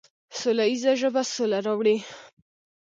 سوله ییزه ژبه سوله راوړي.